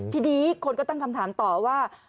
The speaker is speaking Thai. ทีนี้คนก็ตั้งคำถามต่อว่า